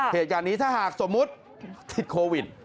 เหตุการณ์นี้ถ้าหากสมมุติติดโควิด